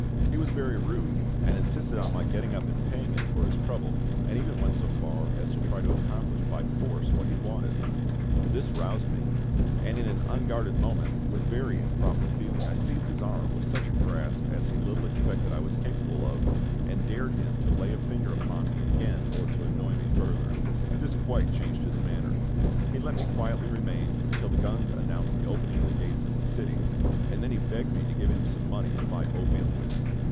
He was very rude, and insisted on my getting up and paying him for his trouble, and even went so far as to try to accomplish by force what he wanted. This roused me; and in an unguarded moment, with very improper feeling, I seized his arm with such a grasp as he little expected I was capable of, and dared him to lay a finger upon me again or to annoy me further. This quite changed his manner; he let me quietly remain till the guns announced the opening of the gates of the city, and then he begged me to give him some money to buy opium with.